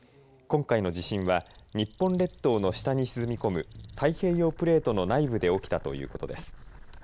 今回の地震は日本列島の下に沈み込む太平洋プレートの内部で起きたということです。